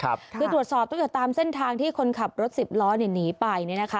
คือตรวจสอบตั้งแต่ตามเส้นทางที่คนขับรถสิบล้อหนีไป